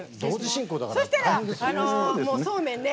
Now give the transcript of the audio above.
そしたら、そうめんね。